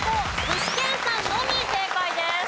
具志堅さんのみ正解です。